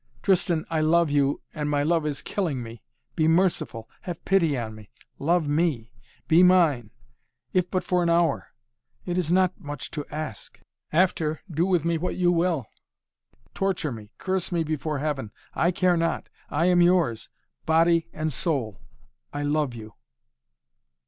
"Tristan, I love you and my love is killing me! Be merciful. Have pity on me. Love me! Be mine if but for an hour! It is not much to ask! After, do with me what you will! Torture me curse me before Heaven I care not I am yours body and soul. I love you!"